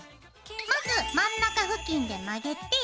まず真ん中付近で曲げて。